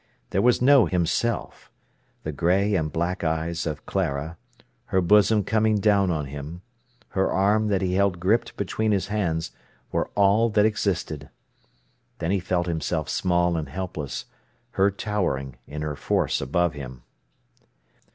There was no himself. The grey and black eyes of Clara, her bosom coming down on him, her arm that he held gripped between his hands, were all that existed. Then he felt himself small and helpless, her towering in her force above him.